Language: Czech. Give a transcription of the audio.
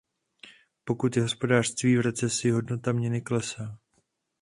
Pokud je hospodářství v recesi, hodnota měny klesá.